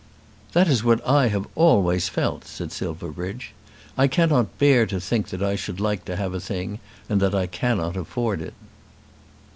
"That is what I have always felt," said Silverbridge. "I cannot bear to think that I should like to have a thing and that I cannot afford it."